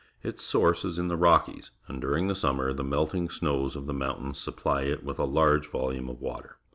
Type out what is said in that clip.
Its source is in the Rockies, and during the summer the melting snows of the mountains supply it with a large volume of water.